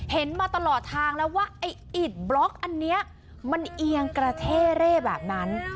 เห็นมาตลอดทางแล้วว่าไอ้อิดบล็อกอันนี้มันเอียงกระเท่เร่แบบนั้น